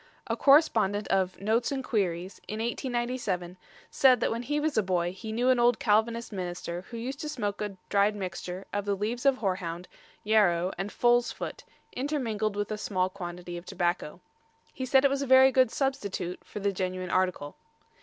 A correspondent of Notes and Queries, in 1897, said that when he was a boy he knew an old Calvinist minister, who used to smoke a dried mixture of the leaves of horehound, yarrow and "foal's foot" intermingled with a small quantity of tobacco. He said it was a very good substitute for the genuine article.